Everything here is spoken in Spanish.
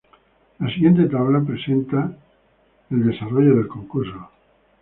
La siguiente tabla presenta el desarrollo del concurso.